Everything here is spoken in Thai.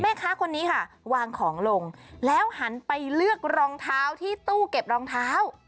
แม่ค้าคนนี้ค่ะวางของลงแล้วหันไปเลือกรองเท้าที่ตู้เก็บรองเท้า